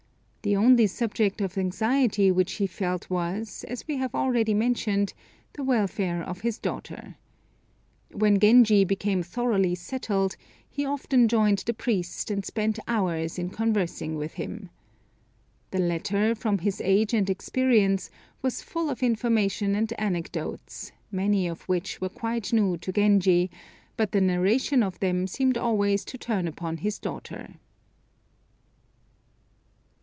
The only subject of anxiety which he felt was, as we have already mentioned, the welfare of his daughter. When Genji became thoroughly settled he often joined the priest, and spent hours in conversing with him. The latter, from his age and experience, was full of information and anecdotes, many of which were quite new to Genji, but the narration of them seemed always to turn upon his daughter.